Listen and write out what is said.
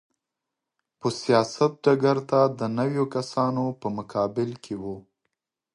په سیاست ډګر ته د نویو کسانو په مقابل کې و.